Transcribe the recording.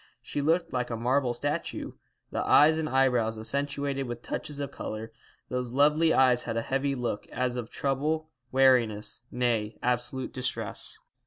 She looked like a marble statue, the eyes and eyebrows accentuated with touches of colour. Those lovely eyes had a heavy look, as of trouble, weariness; nay, absolute distress.